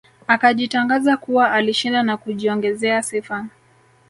Akajitangaza kuwa alishinda na kujiongezea sifa